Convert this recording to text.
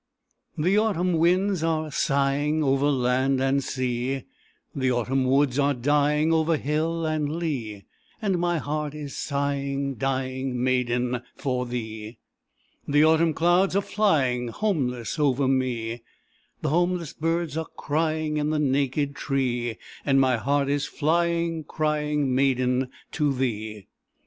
The autumn winds are sighing Over land and sea; The autumn woods are dying Over hill and lea; And my heart is sighing, dying, Maiden, for thee. The autumn clouds are flying Homeless over me; The homeless birds are crying In the naked tree; And my heart is flying, crying, Maiden, to thee.